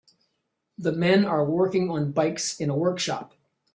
The men are working on bikes in a workshop